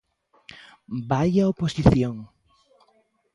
¡Vaia oposición!